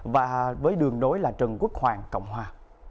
và với đường đối là trần quốc hoàng cộng hòa